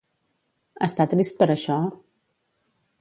Està trist per això?